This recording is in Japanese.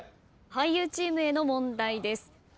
俳優チームへの問題です。